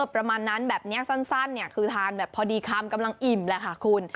ประมาณนั้นแบบนี้สั้นคือทานแบบพอดีคำกำลังอิ่มแหละค่ะคุณ